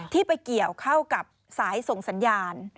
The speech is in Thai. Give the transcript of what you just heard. ที่ไปเกี่ยวเข้ากับสายส่งสัญญาณ